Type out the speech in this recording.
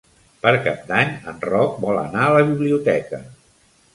Per Cap d'Any en Roc vol anar a la biblioteca.